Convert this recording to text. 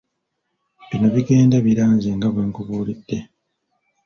Bino bigenda biranze nga bwe nkubuulidde.